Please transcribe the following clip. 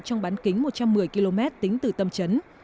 trong bán kính một trăm một mươi km tính từ tâm trấn